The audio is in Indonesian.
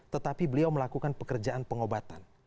tetapi beliau melakukan pekerjaan pengobatan